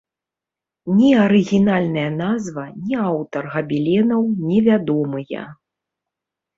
Ні арыгінальная назва, ні аўтар габеленаў невядомыя.